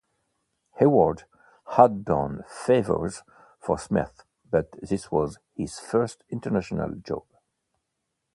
Hayward had done "favours" for Smith, but this was his first international job.